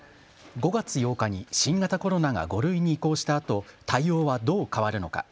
５月８日に新型コロナが５類に移行したあと対応はどう変わるのか。